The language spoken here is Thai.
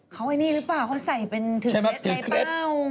เขาไอ้นี่หรือเปล่าเขาใส่เป็นถือเคล็ดไหมเปล่าถือเคล็ด